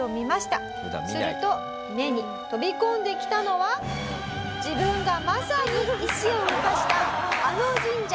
すると目に飛び込んできたのは自分がまさに石を動かしたあの神社。